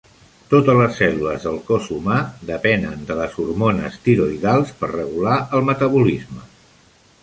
Totes les cèl·lules del cos humà depenen de les hormones tiroïdals per regular el metabolisme.